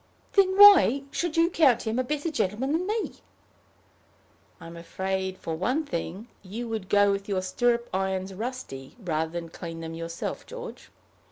"Then why should you count him a better gentleman than me?" "I'm afraid for one thing, you would go with your stirrup irons rusty, rather than clean them yourself, George.